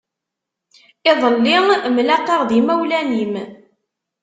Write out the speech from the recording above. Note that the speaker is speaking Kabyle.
Iḍelli mlaqaɣ d yimawlan-im.